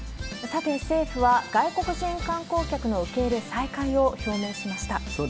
さて、政府は外国人観光客の受け入れ再開を表明しました。